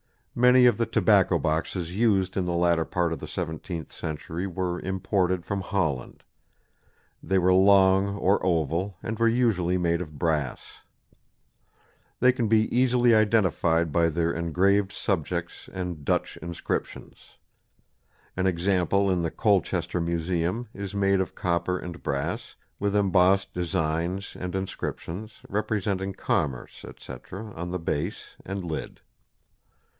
Many of the tobacco boxes used in the latter part of the seventeenth century were imported from Holland. They were long or oval and were usually made of brass. They can be easily identified by their engraved subjects and Dutch inscriptions. An example in the Colchester Museum is made of copper and brass, with embossed designs and inscriptions, representing commerce, &c., on the base and lid.